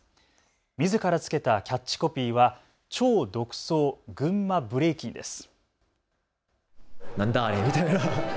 みずから付けたキャッチコピーは超独創群馬ブレイキンです。